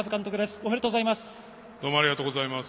おめでとうございます。